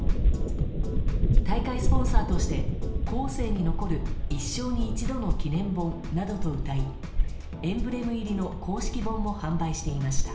大会スポンサーとして後世に残る一生に一度の記念本などとうたいエンブレム入りの公式本も販売していました。